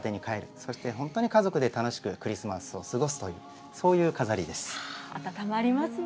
そして本当に家族で楽しくクリスマスを過ごすという、そういう飾温まりますね。